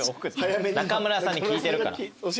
中村さんに聞いてるから。